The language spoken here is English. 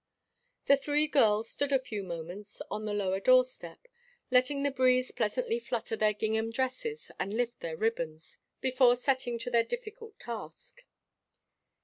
The three girls stood a few moments on the low door step, letting the breeze pleasantly flutter their gingham dresses and lift their ribbons, before setting to their difficult task.